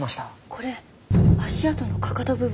これ足跡のかかと部分。